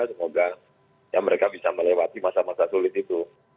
semoga mereka bisa melewati masa masa sulit itu